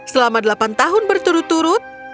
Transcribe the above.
selama delapan tahun berturut turut